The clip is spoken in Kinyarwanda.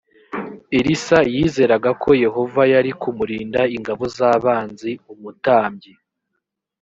elisa yizeraga ko yehova yari kumurinda ingabo z abanzi umutambyi